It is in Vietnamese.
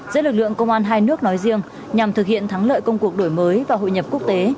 giữa lực lượng công an hai nước nói riêng nhằm thực hiện thắng lợi công cuộc đổi mới và hội nhập quốc tế